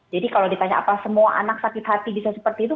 jadi kalau ditanya apa semua anak sakit hati bisa seperti itu